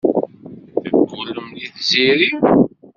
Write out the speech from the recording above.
Teggullem deg Tiziri.